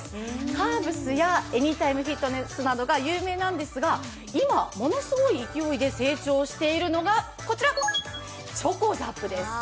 カーブスやエニタイムフィットネスが有名なんですが今、ものすごい勢いで成長しているのがこちら、ｃｈｏｃｏＺＡＰです。